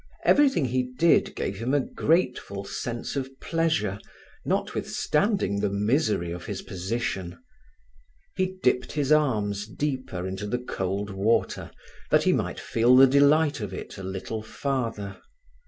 Everything he did gave him a grateful sense of pleasure, notwithstanding the misery of his position. He dipped his arms deeper into the cold water, that he might feel the delight of it a little farther.